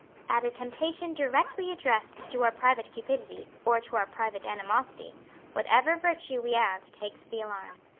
At a temptation directly addressed to our private cupidity or to our private animosity, whatever virtue we have takes the alarm.